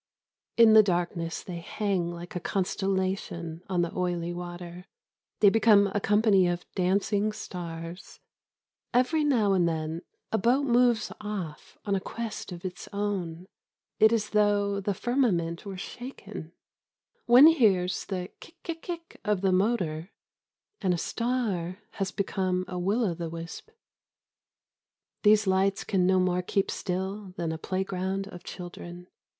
In the darkness they hang like a constellation on the oily water. They become a company of dancing stars. Every now and then a boat moves off on a quest of its own. It is as though the firmament were shaken. One hears the kick kick kick of the motor, and a star has become a will o' the wisp. These lights can no more keep still than a playground of children.